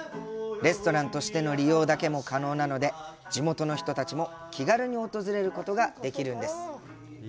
レストランとしての利用だけも可能なので地元の人たちも気軽に訪れることができるんです。